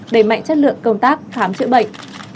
đẩy mạnh chất lượng công tác khám chữa bệnh